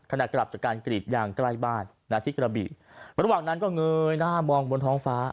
ขณะกลับจากการกรีดยางใกล้บ้านนะที่กระบี่ระหว่างนั้นก็เงยหน้ามองบนท้องฟ้า